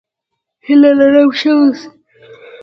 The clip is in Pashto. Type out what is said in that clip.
هيله لرم ښه اوسې!